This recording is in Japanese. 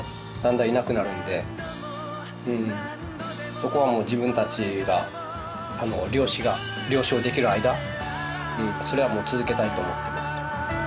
そこはもう自分たちが漁師が漁師をできる間それはもう続けたいと思っています。